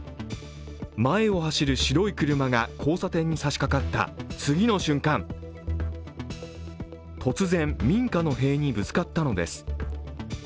前を走る白い車が交差点に差しかかった次の瞬間、突然、民家の塀にぶつかったのです。